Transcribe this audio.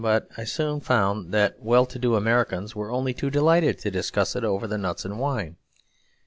But I soon found that well to do Americans were only too delighted to discuss it over the nuts and wine.